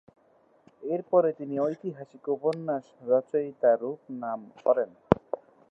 এর পরে তিনি ঐতিহাসিক উপন্যাস রচয়িতা রূপে নাম করেন।